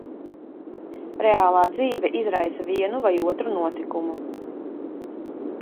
Reālā dzīve izraisa vienu vai otru notikumu.